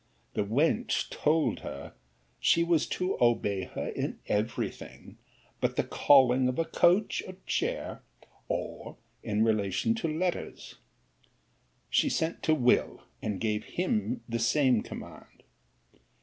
'The wench told her, She was to obey her in every thing but the calling of a coach or chair, or in relation to letters. 'She sent for Will. and gave him the same command.